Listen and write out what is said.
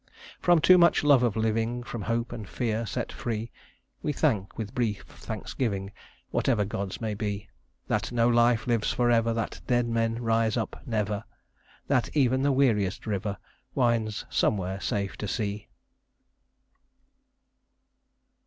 "From too much love of living, From hope and fear set free, We thank with brief thanksgiving Whatever gods may be, That no life lives forever; That dead men rise up never; That even the weariest river Winds somewhere safe to sea."